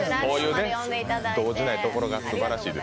動じないところがすばらしいです。